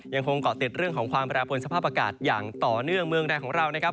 ยังคงเกาะติดเรื่องของความแปรปวนสภาพอากาศอย่างต่อเนื่องเมืองใดของเรานะครับ